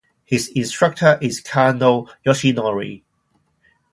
His instructor is Kano Yoshinori.